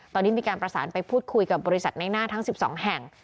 ตอนนี้มีการประสานไปพูดคุยกับบริษัทในหน้าทั้ง๑๒แห่ง